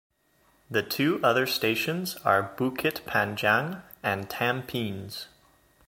The other two stations are Bukit Panjang and Tampines.